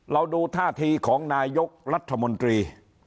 ดูท่าทีของนายกรัฐมนตรี